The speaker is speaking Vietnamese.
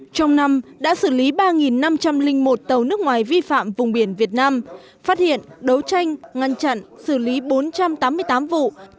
trong năm đã xử lý ba năm trăm linh một tàu nước ngoài vi phạm vùng biển việt nam phát hiện đấu tranh ngăn chặn xử lý bốn trăm tám mươi tám vụ